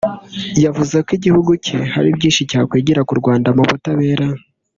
yavuze ko igihugu cye hari byinshi cyakwigira ku Rwanda mu butabera